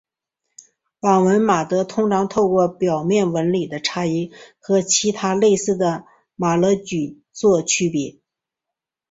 网纹马勃通常透过表面纹理的差异可和其他类似的马勃菌作区别。